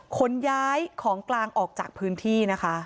ขนย้ายของกลางออกจากพื้นที่นะคะ